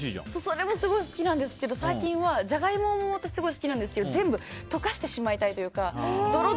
それもすごい好きなんですけど最近はジャガイモも好きなんですけど全部、溶かしてしまいたいというか。